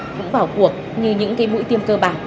vẫn vào cuộc như những cái mũi tiêm cơ bản